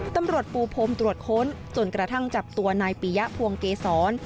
ปูพรมตรวจค้นจนกระทั่งจับตัวนายปียะพวงเกษร